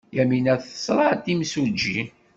Yamina teẓra-d imsujji.